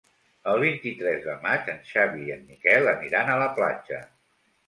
El vint-i-tres de maig en Xavi i en Miquel aniran a la platja.